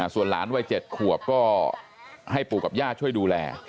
ส่วนหลานวัย๗ขวบก็ให้ปู่กับย่าช่วยดูแล